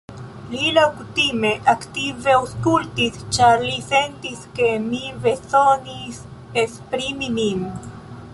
Li, laŭkutime, aktive aŭskultis, ĉar li sentis ke mi bezonis esprimi min.